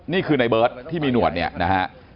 นี่คือในเบิร์ตที่มีหนวดเนี่ยนะฮะ